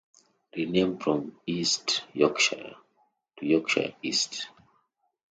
Renamed from East Yorkshire to Yorkshire East.